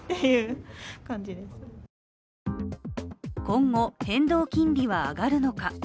今後、変動金利は上がるのか。